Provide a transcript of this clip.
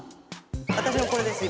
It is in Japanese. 私のこれです今。